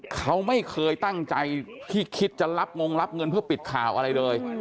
เขาไม่เคยตั้งใจที่คิดจะรับงงรับเงินเพื่อปิดข่าวอะไรเลย